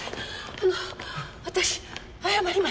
あの私謝ります。